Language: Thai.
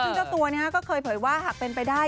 เจ้าตัวนี้ก็เคยเผยว่าเป็นไปได้